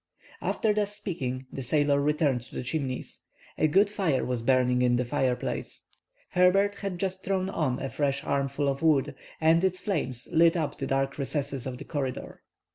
After thus speaking the sailor returned to the Chimneys. A good fire was burning in the fireplace. Herbert had just thrown on a fresh armful of wood, and its flames lit up the dark recesses of the corridor.